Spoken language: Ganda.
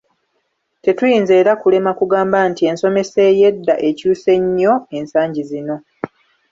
Tetuyinza era kulema kugamba nti ensomesa ey'eddaa ekyuse nnyo ensangi zino.